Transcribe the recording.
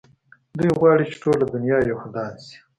دوى غواړي چې ټوله دونيا يهودان شي.